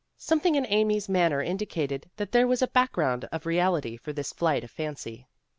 Something in Amy 's manner indicated that there was a background of reality for this flight of fancy.